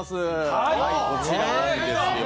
はいこちらなんですよ。